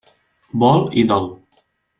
Vol i dol.